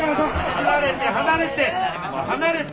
離れて離れて離れて。